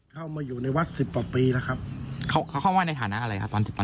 เข้ามาอยู่ในวัดสิบป่อปีนะครับเขาว่าในฐาณะอะไรตอน